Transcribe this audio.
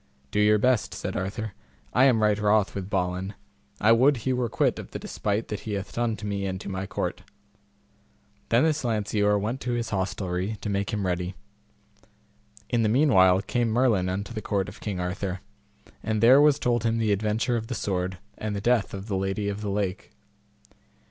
Do your best, said Arthur, I am right wroth with Balin; I would he were quit of the despite that he hath done to me and to my court. Then this Lanceor went to his hostelry to make him ready. In the meanwhile came Merlin unto the court of King Arthur, and there was told him the adventure of the sword, and the death of the Lady of the Lake.